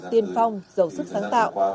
tiên phong giàu sức sáng tạo